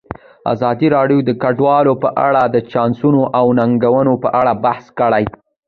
ازادي راډیو د کډوال په اړه د چانسونو او ننګونو په اړه بحث کړی.